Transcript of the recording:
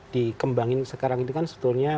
dikembangin sekarang ini kan sebetulnya